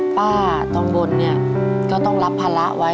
ป้าต้องบนเนี่ยก็ต้องรับภาระไว้